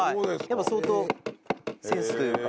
やっぱり相当センスというか。